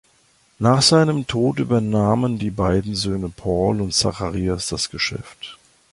Nach seinem Tod übernahmen die beiden Söhne Paul und Zacharias das Geschäft.